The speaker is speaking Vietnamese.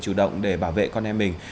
chủ động để bảo vệ con em mình